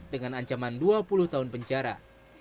dengan ancaman dua puluh tahun penjara